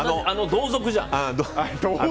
同族じゃん。